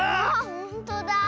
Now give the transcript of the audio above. ほんとだ。